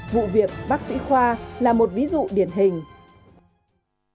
vụ việc bác sĩ khoa là một ví dụ điển hình